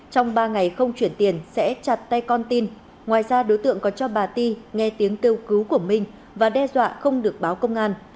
trong ba ngày không chuyển tiền sẽ chặt tay con tin ngoài ra đối tượng còn cho bà ti nghe tiếng kêu cứu của minh và đe dọa không được báo công an